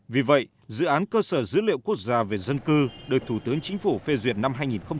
vì vậy dự án cơ sở dữ liệu quốc gia về dân cư được thủ tướng chính phủ phê duyệt năm hai nghìn một mươi bảy